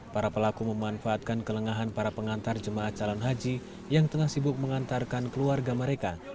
para pelaku memanfaatkan kelengahan para pengantar jemaah calon haji yang tengah sibuk mengantarkan keluarga mereka